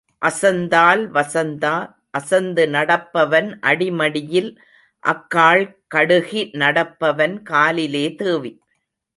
அசந்தால் வசந்தா, அசந்து நடப்பவன் அடிமடியில் அக்காள் கடுகி நடப்பவன் காலிலே தேவி.